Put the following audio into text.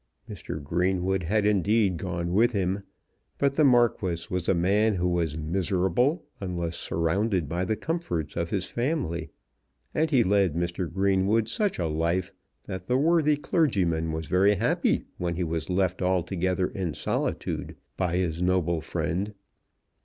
Mr. Greenwood had indeed gone with him; but the Marquis was a man who was miserable unless surrounded by the comforts of his family, and he led Mr. Greenwood such a life that that worthy clergyman was very happy when he was left altogether in solitude by his noble friend.